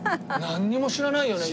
なんにも知らないよね。